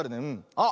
あっ。